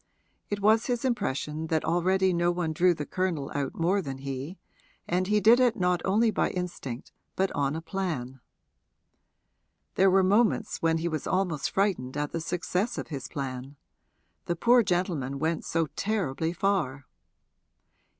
It was his impression that already no one drew the Colonel out more than he, and he did it not only by instinct but on a plan. There were moments when he was almost frightened at the success of his plan the poor gentleman went so terribly far.